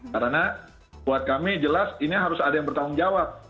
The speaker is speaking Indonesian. karena buat kami jelas ini harus ada yang bertanggung jawab